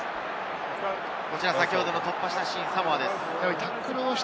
こちらは先ほど突破したシーン、サモアです。